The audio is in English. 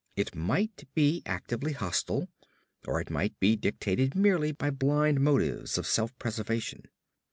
It might be actively hostile, or it might be dictated merely by blind motives of self preservation.